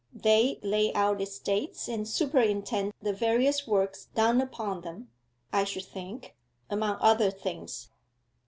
They lay out estates, and superintend the various works done upon them, I should think, among other things?